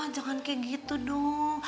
jangan kayak gitu dong